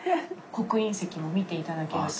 刻印石も見て頂けると。